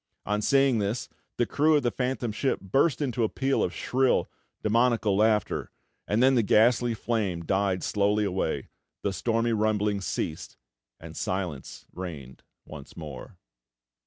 On seeing this, the crew of the phantom ship burst into a peal of shrill, demoniacal laughter; and then the ghastly flame died slowly away, the stormy rumblings ceased, and silence reigned once more.